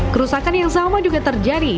kerusakan yang sama juga terjadi